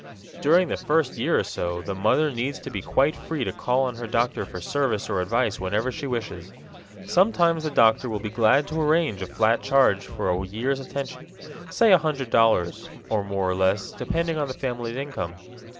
During the first year or so the mother needs to be quite free to call on her doctor for service or advice whenever she wishes. Sometimes the doctor will be glad to arrange a flat charge for a year's attention, say a hundred dollars, or more or less, depending on the family income.